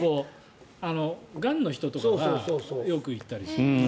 がんの人とかがよく行ったりする。